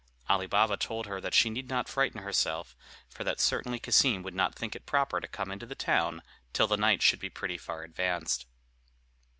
Ali Baba told her that she need not frighten herself, for that certainly Cassim would not think it proper to come into the town till the night should be pretty far advanced.